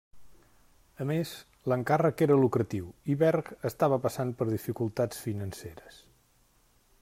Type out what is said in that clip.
A més, l'encàrrec era lucratiu i Berg estava passant per dificultats financeres.